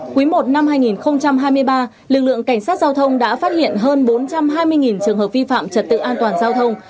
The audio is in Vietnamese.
quý i năm hai nghìn hai mươi ba lực lượng cảnh sát giao thông đã phát hiện hơn bốn trăm hai mươi trường hợp vi phạm trật tự an toàn giao thông